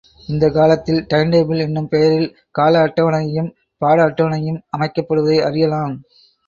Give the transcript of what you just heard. இந்தக் காலத்தில் time table என்னும் பெயரில் கால அட்டவணையும், பாட அட்டவணையும் அமைக்கப் படுவதை அறியலாம்.